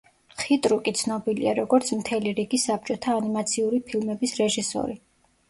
ხიტრუკი ცნობილია, როგორც მთელი რიგი საბჭოთა ანიმაციური ფილმების რეჟისორი.